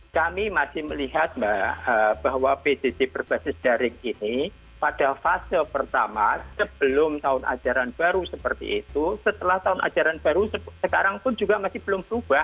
kami masih melihat mbak bahwa pjj berbasis daring ini pada fase pertama sebelum tahun ajaran baru seperti itu setelah tahun ajaran baru sekarang pun juga masih belum berubah